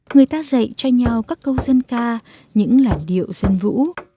người ta dạy cho nhau các câu dân ca những làn điệu dân vũ